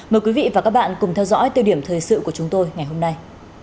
mời quý vị và các bạn cùng theo dõi tiêu điểm thời sự của chúng tôi ngày hôm nay